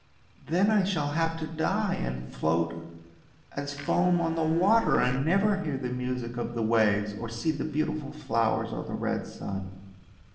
" Then I shall have to die and to float as foam on the water, and never hear the music of the waves or see the beautiful flowers or the red sun!